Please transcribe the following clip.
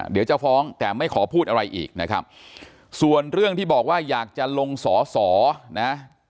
เดี๋ยวจะฟ้องแต่ไม่ขอพูดอะไรอีกนะครับส่วนเรื่องที่บอกว่าอยากจะลงสอสอนะ